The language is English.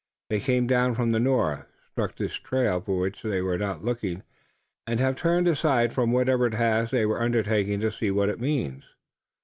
They came down from the north, struck this trail, for which they were not looking, and have turned aside from whatever task they were undertaking to see what it means."